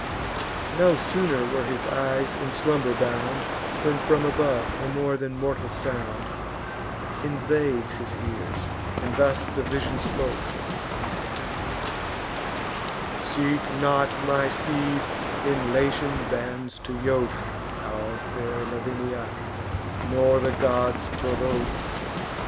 No sooner were his eyes in slumber bound, When, from above, a more than mortal sound Invades his ears; and thus the vision spoke: "Seek not, my seed, in Latian bands to yoke Our fair Lavinia, nor the gods provoke.